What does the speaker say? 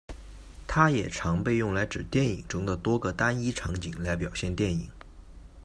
它也常被用来指电影中的多个单一场景来表现电影。